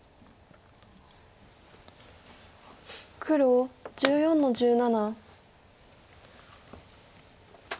黒１４の十七。